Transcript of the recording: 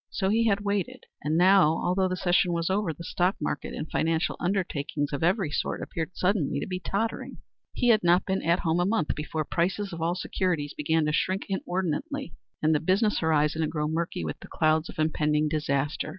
So he had waited, and now, although the session was over, the stock market and financial undertakings of every sort appeared suddenly to be tottering. He had not been at home a month before prices of all securities began to shrink inordinately and the business horizon to grow murky with the clouds of impending disaster.